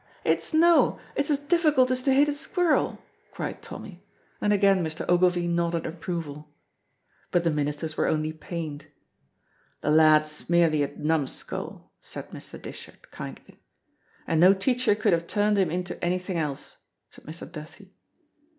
"It's no; it's as difficult as to hit a squirrel," cried Tommy, and again Mr. Ogilvy nodded approval. But the ministers were only pained. "The lad is merely a numskull," said Mr. Dishart, kindly. "And no teacher could have turned him into anything else," said Mr. Duthie.